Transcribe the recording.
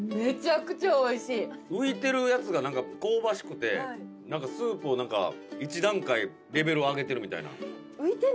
浮いてるやつが香ばしくてスープを一段階レベルを上げてるみたいな。